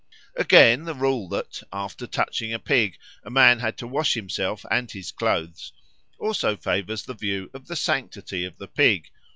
Again, the rule that, after touching a pig, a man had to wash himself and his clothes, also favours the view of the sanctity of the pig.